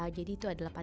jadi itu adalah panel